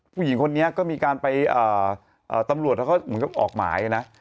ผู้หญิงคนนี้ก็มีการไปตำรวจเขาก็เหมือนกับออกหมายนะ